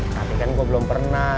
tapi kan gue belum pernah